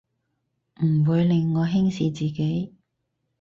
唔會令我輕視自己